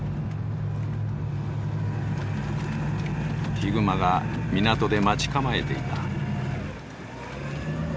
ヒグマが港で待ち構えていた。